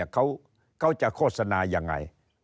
เขาจะโฆษณายังไง